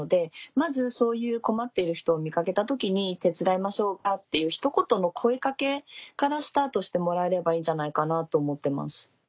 まずそういう困っている人を見掛けた時に「手伝いましょうか？」っていうひと言の声掛けからスタートしてもらえればいいんじゃないかなと思ってます。